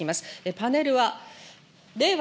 パネルは令和